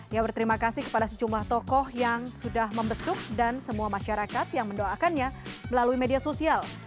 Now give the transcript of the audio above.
ia berterima kasih kepada sejumlah tokoh yang sudah membesuk dan semua masyarakat yang mendoakannya melalui media sosial